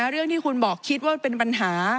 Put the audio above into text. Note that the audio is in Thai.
เรื่องที่คุณบอกคิดว่าเป็นปัญหา